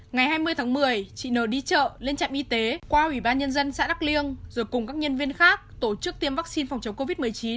ngày hai mươi tháng một mươi chị nờ đi chợ lên trạm y tế qua ủy ban nhân dân xã đắk liêng rồi cùng các nhân viên khác tổ chức tiêm vaccine phòng chống covid một mươi chín